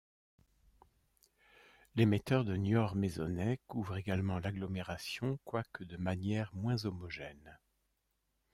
L'émetteur de Niort-Maisonnay couvre également l'agglomération, quoique de manière moins homogène.